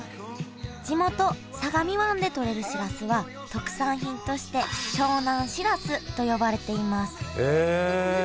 地元相模湾で取れるしらすは特産品として湘南しらすと呼ばれていますへえ！